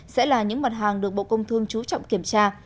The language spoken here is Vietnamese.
sẽ là những mặt hàng được bộ công thương chú trọng kiểm tra